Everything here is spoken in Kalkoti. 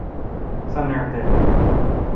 سانیٹ دے۔